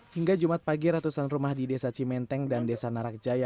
hingga jumat pagi ratusan rumah di desa cimenteng dan desa narak jaya